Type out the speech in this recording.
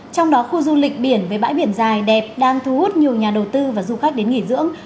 trong đó khu du lịch biển với bãi biển dài đẹp đang thu hút nhiều nhà đầu tư và du khách đến nghỉ dưỡng